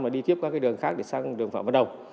mà đi tiếp các cái đường khác để sang đường phạm văn đồng